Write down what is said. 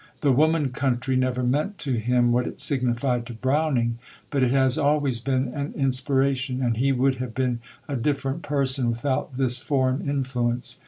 The "woman country" never meant to him what it signified to Browning; but it has always been an inspiration, and he would have been a different person without this foreign influence.